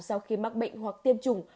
sau khi mắc bệnh hoặc tiêm chủng